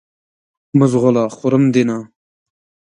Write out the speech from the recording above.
مه ځغله خورم دې نه !